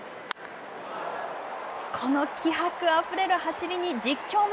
この気迫あふれる走りに実況も。